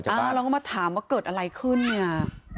เราก็มาถามว่าเกิดอะไรขึ้นเนี่ย